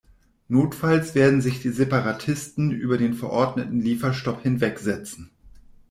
Notfalls werden sich die Separatisten über den verordneten Lieferstopp hinwegsetzen.